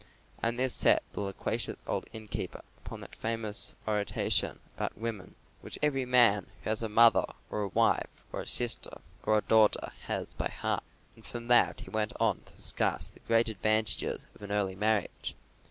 And this set the loquacious old innkeeper upon that famous oration about women which every man who has a mother, or a wife, or a sister, or a daughter has by heart. And from that he went on to discourse on the great advantages of an early marriage.